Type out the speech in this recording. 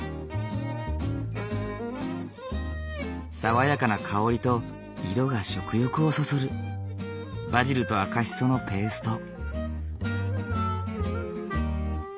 爽やかな香りと色が食欲をそそるバジルとアカシソのペースト。